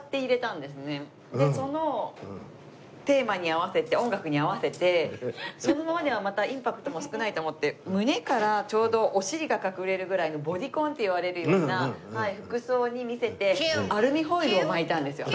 でそのテーマに合わせて音楽に合わせてそのままではまたインパクトも少ないと思って胸からちょうどお尻が隠れるぐらいのボディコンっていわれるような服装に見せてアルミホイルを巻いたんですよ。